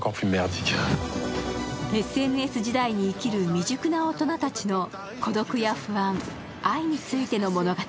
ＳＮＳ時代に生きる未熟な大人たちの孤独や不安、愛についての物語。